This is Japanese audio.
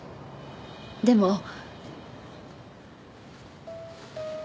でも。